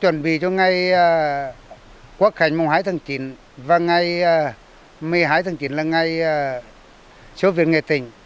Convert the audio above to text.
chuẩn bị cho ngày quốc hành mùng hai tháng chín và ngày một mươi hai tháng chín là ngày số viện nghệ tình